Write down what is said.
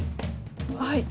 はい。